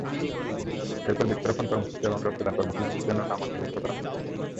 এরপর বৃক্ষরোপণ কর্মসূচি এবং রক্তদান কর্মসূচির জন্য নাম অন্তর্ভুক্ত করা হবে।